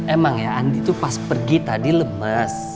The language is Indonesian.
emang ya andi tuh pas pergi tadi lemas